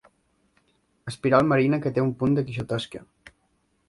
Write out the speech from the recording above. Espiral marina que té un punt de quixotesca.